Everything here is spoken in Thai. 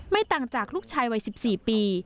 ต่างจากลูกชายวัย๑๔ปี